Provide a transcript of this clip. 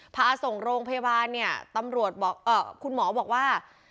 พาส่งโรงพยาบาลเนี่ยตำรวจบอกคุณหมอบอกว่า